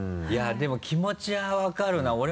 いやでも気持ちは分かるな。